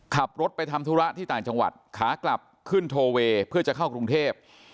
ขับรถไปทำธุระที่ต่างจังหวัดขากลับขึ้นโทเวย์เพื่อจะเข้ากรุงเทพ